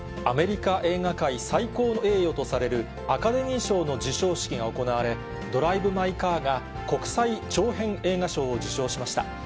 アメリカ映画界最高の栄誉とされるアカデミー賞の授賞式が行われ、ドライブ・マイ・カーが国際長編映画賞を受賞しました。